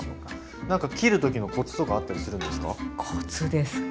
何か切る時のコツとかあったりするんですか？